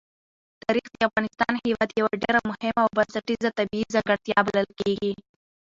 تاریخ د افغانستان هېواد یوه ډېره مهمه او بنسټیزه طبیعي ځانګړتیا بلل کېږي.